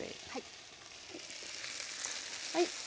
はい。